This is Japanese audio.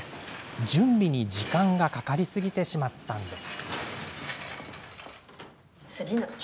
準備に時間がかかりすぎてしまったのです。